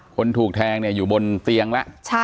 คนถูกแทงเนี่ยอยู่บนเตียงแล้ว